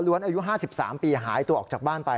อายุ๕๓ปีหายตัวออกจากบ้านไป